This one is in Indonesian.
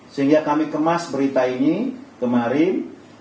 sehingga kami kemas berita ini kemarin